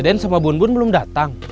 deden sama bun bun belum datang